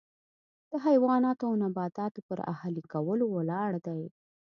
د حیواناتو او نباتاتو پر اهلي کولو ولاړ دی.